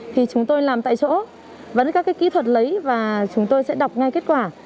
thì chúng tôi làm tại chỗ vẫn các kỹ thuật lấy và chúng tôi sẽ đọc ngay kết quả